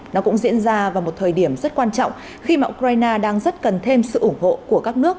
nó cũng diễn ra vào một thời điểm rất quan trọng khi mà ukraine đang rất cần thêm sự ủng hộ của các nước